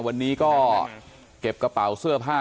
วันนี้ก็เก็บกระเป๋าเสื้อผ้า